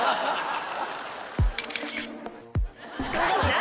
・何？